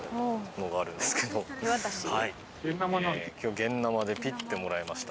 現ナマでピッてもらいました。